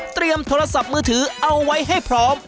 โทรศัพท์มือถือเอาไว้ให้พร้อม